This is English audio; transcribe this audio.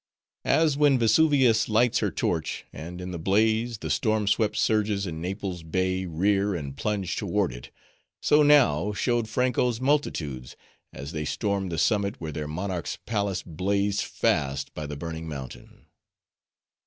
As when Vesuvius lights her torch, and in the blaze, the storm swept surges in Naples' bay rear and plunge toward it; so now, showed Franko's multitudes, as they stormed the summit where their monarch's palace blazed, fast by the burning mountain.